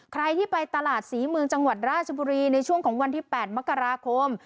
ใครที่ไปตลาดศรีเมืองจังหวัดราชบุรีในช่วงของวันที่๘มกราคม